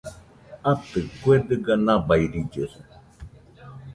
Atɨ , kue dɨga nabairillesa